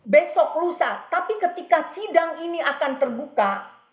besok lusa tapi ketika sidang ini akan terbuka